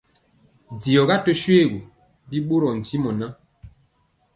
Diɔga tö shoégu, bi ɓorɔɔ ntimɔ ŋan,